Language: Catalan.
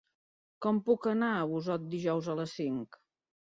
Com puc anar a Busot dijous a les cinc?